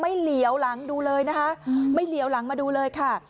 เหลียวหลังดูเลยนะคะไม่เหลียวหลังมาดูเลยค่ะ